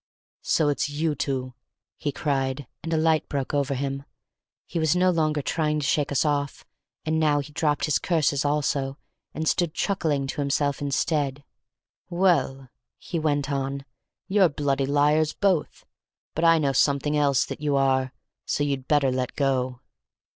"So it's you two!" he cried, and a light broke over him. He was no longer trying to shake us off, and now he dropped his curses also, and stood chuckling to himself instead. "Well," he went on, "you're bloody liars both, but I know something else that you are, so you'd better let go."